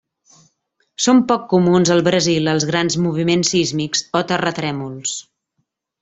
Són poc comuns al Brasil els grans moviments sísmics o terratrèmols.